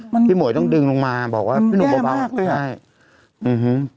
มันพี่หมวยต้องดึงลงมาบอกว่าพี่หนุ่มแย่มากเลยอ่ะใช่อื้อฮึ